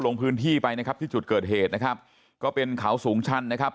ลงพื้นที่ไปนะครับที่จุดเกิดเหตุนะครับก็เป็นเขาสูงชันนะครับ